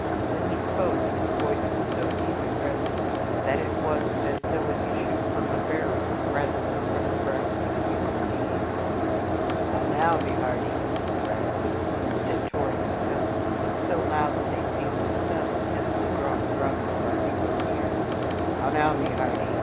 When he spoke, his voice was so deep and resonant that it was as though it issued from a barrel rather than from the breast of a human being. "How now, my hearty!" cried he, in stentorian tones, so loud that they seemed to stun the tensely drawn drums of our hero's ears. "How now, my hearty!